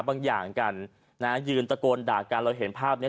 บางอย่างกันนะยืนตะโกนด่ากันเราเห็นภาพเนี้ย